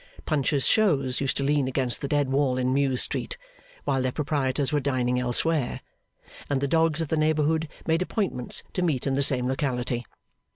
Punch's shows used to lean against the dead wall in Mews Street, while their proprietors were dining elsewhere; and the dogs of the neighbourhood made appointments to meet in the same locality.